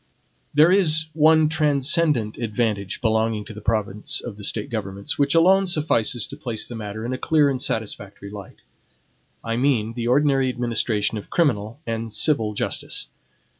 There is one transcendant advantage belonging to the province of the State governments, which alone suffices to place the matter in a clear and satisfactory light, I mean the ordinary administration of criminal and civil justice.